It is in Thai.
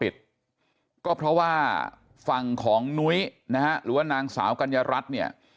ก็เพราะว่าฝั่งของนุ้ยนะฮะหรือว่านางสาวกัญญารัฐเนี่ย